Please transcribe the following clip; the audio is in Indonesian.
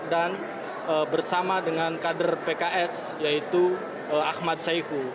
dan bersama dengan kader pks yaitu ahmad saifu